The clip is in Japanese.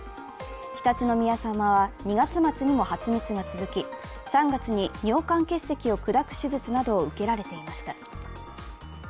常陸宮さまは２月末にも発熱が続き３月に尿管結石を砕く手術などを受けられていました。